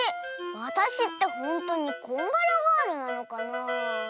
わたしってほんとにこんがらガールなのかなあ。